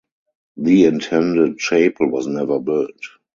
The intended chapel was never built.